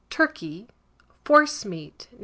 Turkey; forcemeat No.